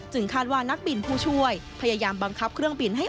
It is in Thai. คาดว่านักบินผู้ช่วยพยายามบังคับเครื่องบินให้